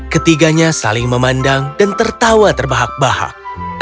ketiganya saling memandang dan tertawa terbahak bahak